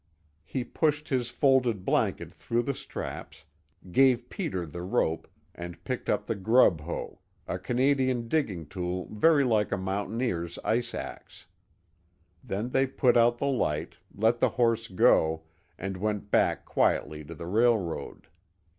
He pushed his folded blanket through the straps, gave Peter the rope, and picked up the grub hoe, a Canadian digging tool very like a mountaineer's ice ax. Then they put out the light, let the horse go, and went back quietly to the railroad.